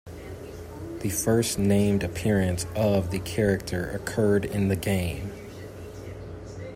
The first named appearance of the character occurred in the game "".